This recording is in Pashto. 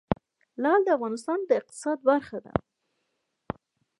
لعل د افغانستان د اقتصاد برخه ده.